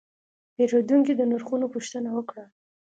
پیرودونکی د نرخونو پوښتنه وکړه.